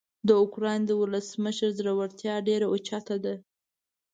د اوکراین د ولسمشر زړورتیا ډیره اوچته ده.